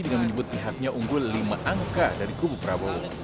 dengan menyebut pihaknya unggul lima angka dari kubu prabowo